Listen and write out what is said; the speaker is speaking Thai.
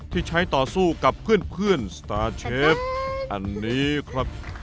ที่ใช้ต่อสู้กับเพื่อนสตาร์เชฟอันนี้ครับ